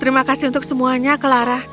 terima kasih untuk semuanya clara